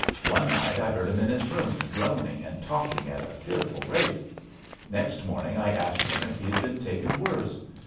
One night I heard him in his room groaning and talking at a fearful rate. Next morning I asked him if he'd been taken worse.